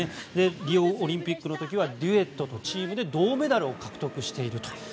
リオオリンピックの時はデュエットとチームで銅メダルを獲得していると。